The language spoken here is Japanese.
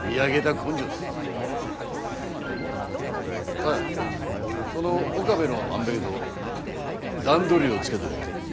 あぁその岡部の安倍家と段取りをつけといたぜ。